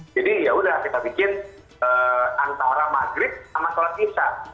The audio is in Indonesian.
jadi yaudah kita bikin antara maghrib sama sholat isya